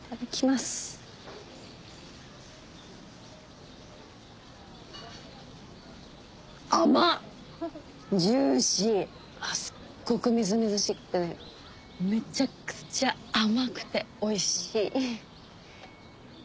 すっごくみずみずしくてめちゃくちゃ甘くておいしい。